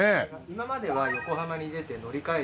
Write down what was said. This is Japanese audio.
今までは横浜に出て乗り換えて。